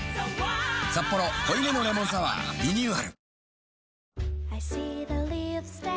「サッポロ濃いめのレモンサワー」リニューアル